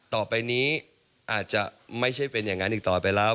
ต่อไปนี้อาจจะไม่ใช่เป็นอย่างนั้นอีกต่อไปแล้ว